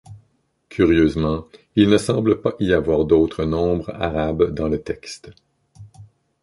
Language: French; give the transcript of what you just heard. Curieusement, il ne semble pas y avoir d'autres nombres arabes dans le texte.